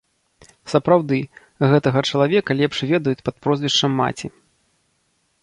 Сапраўды, гэтага чалавека лепш ведаюць пад прозвішчам маці.